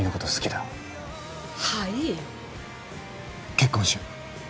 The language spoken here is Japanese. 結婚しよう。